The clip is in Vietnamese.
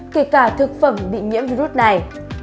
kể cả thực phẩm bị nhiễm virus này